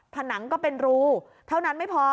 ผนังก็เป็นรูเท่านั้นไม่พอ